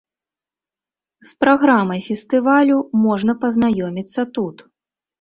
З праграмай фестывалю можна пазнаёміцца тут.